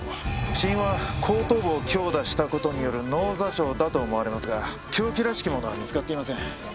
死因は後頭部を強打した事による脳挫傷だと思われますが凶器らしきものは見つかっていません。